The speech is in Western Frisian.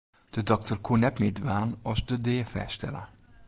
De dokter koe net mear dwaan as de dea fêststelle.